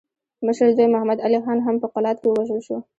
مشر زوی محمد علي خان هم په قلات کې ووژل شو.